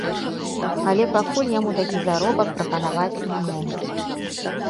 Але пакуль яму такі заробак прапанаваць не могуць.